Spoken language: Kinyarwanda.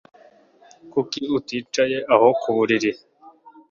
Kuki uticaye aho ku buriri